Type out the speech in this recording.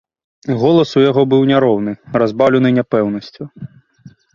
Голас у яго быў няроўны, разбаўлены няпэўнасцю.